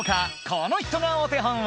この人がお手本を！